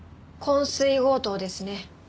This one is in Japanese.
昏酔強盗ですね。